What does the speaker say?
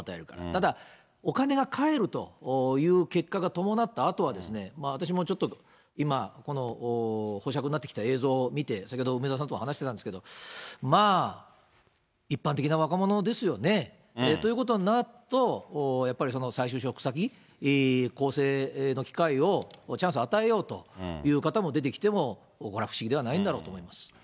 ただ、お金が返るという結果が伴ったあとは、私もちょっと今、この保釈になってきた映像を見て、先ほど梅沢さんとも話してたんですけれども、まあ、一般的な若者ですよね。ということになると、やっぱり再就職先、更生の機会を、チャンスを与えようという方も、出てきても、これは不思議ではないんだろうと思います。